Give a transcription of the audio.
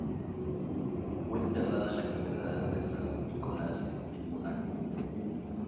Fue enterrada en la Catedral de San Nicolás, en Mónaco.